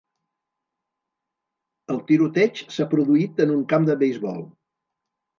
El tiroteig s’ha produït en un camp de beisbol.